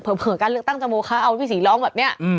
เผลอการเลือกตั้งจะโมคะเอาพี่ศรีร้องแบบนี้